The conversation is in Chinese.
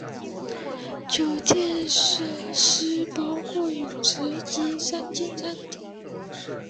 酒店设施包括泳池及三间餐厅。